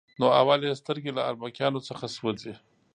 نو اول یې سترګې له اربکیانو څخه سوځي.